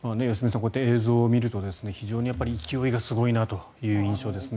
こうやって映像を見ると勢いがすごいなという印象ですね。